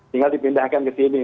tinggal dipindahkan ke sini